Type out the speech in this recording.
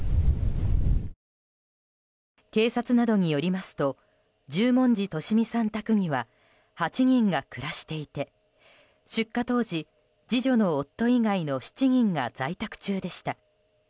警察などによりますと十文字利美さん宅には８人が暮らしていて出火当時次女の夫以外の７人が在宅中でした。